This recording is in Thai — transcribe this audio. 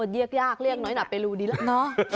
อ๋อเยี่ยกเรียกน้อยหนาเปรูดีแล้ว